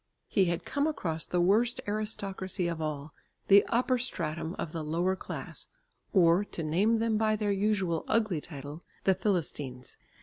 He had come across the worst aristocracy of all, the upper stratum of the lower class, or, to name them by their usual ugly title, "the Philistines."